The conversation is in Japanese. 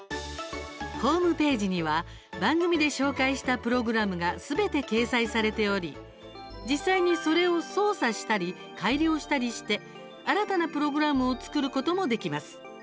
ホームページには番組で紹介したプログラムがすべて掲載されており実際にそれを操作したり改良したりして、新たなプログラムを作ることもできます。